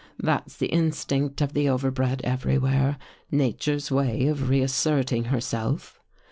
That's the instinct of the overbred everywhere. Nature's way of reasserting herself.